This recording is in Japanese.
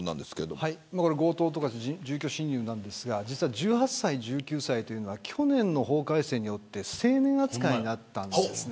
強盗と住居侵入ですが１８歳、１９歳というのは去年の法改正で成年扱いになったんです。